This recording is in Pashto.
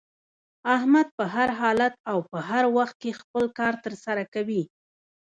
احمد په هر حالت او هر وخت کې خپل کار تر سره کوي.